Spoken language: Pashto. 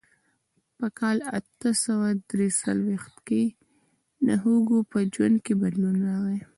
په کال اته سوه درې څلوېښت کې د هوګو په ژوند کې بدلون راغی.